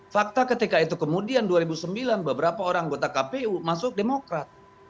fakta ketika itu kemudian dua ribu sembilan beberapa orang anggota kpu masuk demokrat